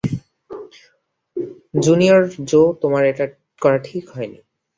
Junior Joe, তোমার এটা করা ঠিক হয়নি।